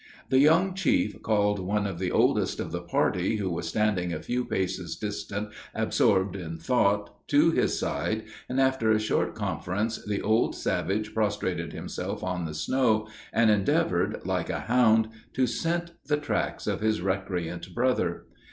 The young chief called one of the oldest of the party, who was standing a few paces distant absorbed in thought, to his side, and after a short conference the old savage prostrated himself on the snow, and endeavored, like a hound, to scent the tracks of his recreant brother.